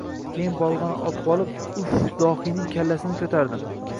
Keyin bolg‘ani otvorib, uf, dohiyning kallasini ko‘tardim.